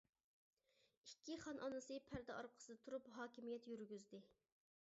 ئىككى خان ئانىسى پەردە ئارقىسىدا تۇرۇپ ھاكىمىيەت يۈرگۈزدى.